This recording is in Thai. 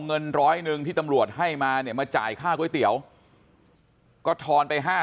เงินร้อยหนึ่งที่ตำรวจให้มาเนี่ยมาจ่ายค่าก๋วยเตี๋ยวก็ทอนไป๕๐๐